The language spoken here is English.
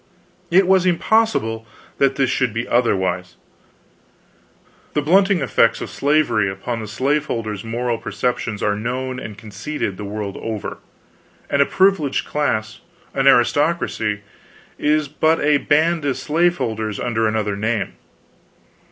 It was impossible that this should be otherwise. The blunting effects of slavery upon the slaveholder's moral perceptions are known and conceded, the world over; and a privileged class, an aristocracy, is but a band of slaveholders under another name.